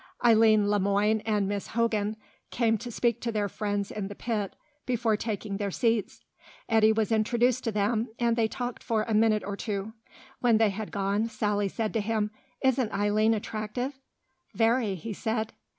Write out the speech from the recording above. Eileen Le Moine and Miss Hogan came to speak to their friends in the pit before taking their seats. Eddy was introduced to them, and they talked for a minute or two. When they had gone, Sally said to him, "Isn't Eileen attractive?" "Very," he said.